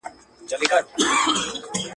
زه مخکي پلان جوړ کړی وو!.